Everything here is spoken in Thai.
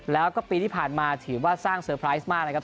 แล้วก็ปีที่ผ่านมาถือว่าสร้างเซอร์ไพรส์มากนะครับ